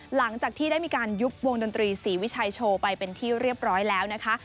หลังจากที่ได้มีการยุบวงดนตรีศรีวิชัยโชว์ไปเป็นที่เรียบร้อยแล้วนะคะ